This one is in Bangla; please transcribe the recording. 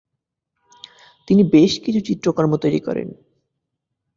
তিনি বেশ কিছু চিত্রকর্ম তৈরি করেন।